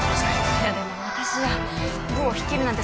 いやでも私じゃ部を率いるなんて